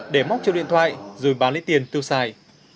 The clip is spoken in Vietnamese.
để móc cho điện thoại rồi bán lấy tiền tiêu xài